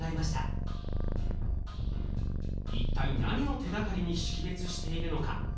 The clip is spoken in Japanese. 一体何を手がかりに識別しているのか？